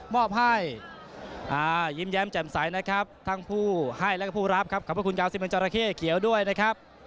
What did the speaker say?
มอบให้ยิ้มแย้มแจ่มใสนะครับทั้งผู้ให้แล้วก็ผู้รับครับขอบคุณกาวซิเมนจราเข้เขียวด้วยนะครับ